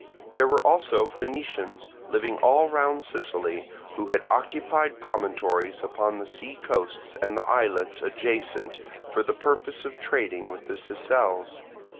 There were also Phoenicians living all round Sicily, who had occupied promontories upon the sea coasts and the islets adjacent for the purpose of trading with the Sicels.